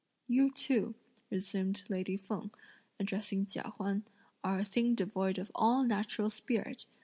"You too," resumed lady Feng, addressing Chia Huan; "are a thing devoid of all natural spirit!